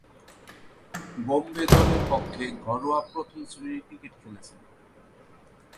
বোম্বে দলের পক্ষে ঘরোয়া প্রথম-শ্রেণীর ক্রিকেট খেলেছেন।